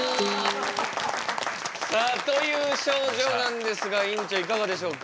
さあという症状なんですが院長いかがでしょうか。